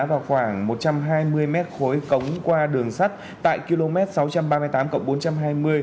vào khoảng một trăm hai mươi mét khối cống qua đường sắt tại km sáu trăm ba mươi tám bốn trăm hai mươi